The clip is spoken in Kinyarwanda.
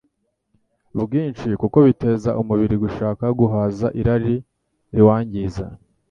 bwinshi, kuko biteza umubiri gushaka guhaza irari riwangiza.